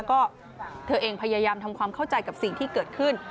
ก็เธอเองพยายามทำความเข้าใจกับสิ่งที่เกิดขึ้น